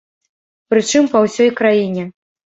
Прычым па ўсёй краіне.